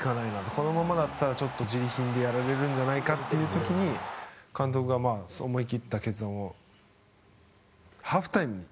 このままだったらちょっと、じり貧でやられるんじゃないかっていう時に監督が思い切った決断をハーフタイムに。